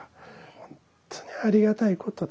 本当にありがたいことだ。